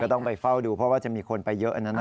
ต้องไปเฝ้าดูเพราะว่าจะมีคนไปเยอะนะนะ